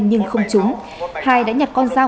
nhưng không trúng hai đã nhặt con dao